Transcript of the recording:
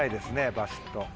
バシっと。